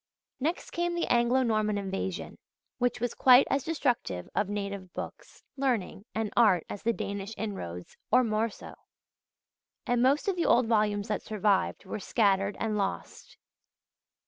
Next came the Anglo Norman Invasion, which was quite as destructive of native books, learning, and art as the Danish inroads, or more so; and most of the old volumes that survived were scattered and lost.